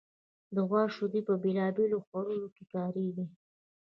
د غوا شیدې په بېلابېلو خوړو کې کارېږي.